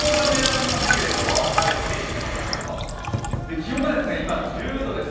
気温が今、１０度です。